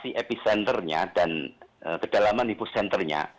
saya melihat lokasi epicenternya dan kedalaman epicenternya